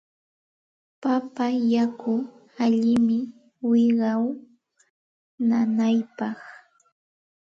Papa yaku allinmi wiqaw nanaypaq.